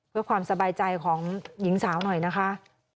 เพื่อความสบายใจของหญิงสาวหน่อยนะคะ